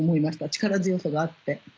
力強さがあって。